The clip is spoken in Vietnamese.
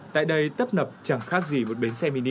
tại đây tấp nập chẳng khác gì một bến xe mini